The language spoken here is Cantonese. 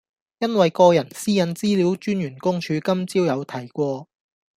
因為個人私隱資料專員公署今朝有提過